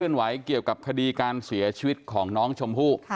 เกี่ยวกับคดีการเสียชีวิตของน้องชมพู่